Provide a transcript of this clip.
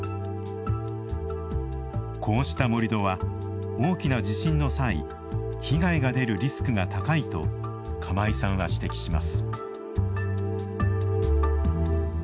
こうした盛土は大きな地震の際被害が出るリスクが高いと釜井さんは指摘します。